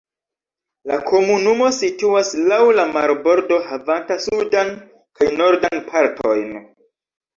La komunumo situas laŭ la marbordo havanta sudan kaj nordan partojn.